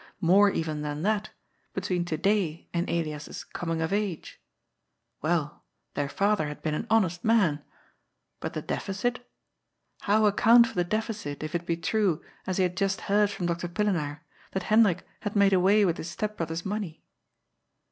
More even than that, between to day and Elias's coming of age. Well, their father had been an honest man. But the deficit ? How account for the deficit, if it be true, as he had just heard from Dr. Pillenaar, that Hendrik had made away with his step brother's money?